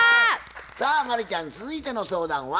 さあ真理ちゃん続いての相談は？